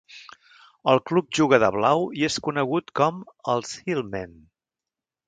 El club juga de blau i és conegut com "els Hillmen".